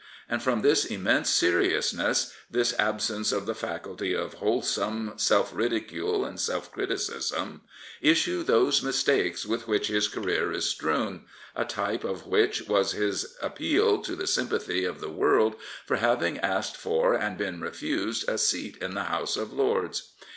And from this immense seriousness, this absence of the faculty of wholesome self ridicule and self criticism, issue those mistakes with which his career is strewn, a type of which was his appeal to the sympathy of the world for having asked for and been refused a seat in the House of Lords.